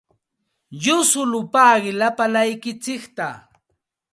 Yusulpaaqi lapalaykitsikta.